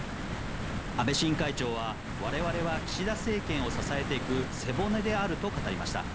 安倍新会長はわれわれは岸田政権を支えていく背骨であると語りました。